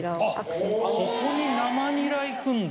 ここに生ニラ行くんだ。